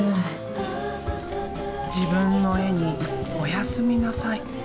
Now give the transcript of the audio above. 自分の絵に「おやすみなさい」。